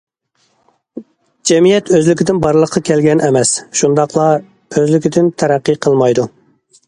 جەمئىيەت ئۆزلۈكىدىن بارلىققا كەلگەن ئەمەس، شۇنداقلا ئۆزلۈكىدىن تەرەققىي قىلمايدۇ.